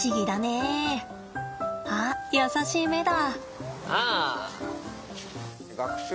あっ優しい目だ。